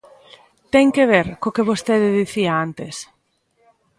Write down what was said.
Ten que ver co que vostede dicía antes.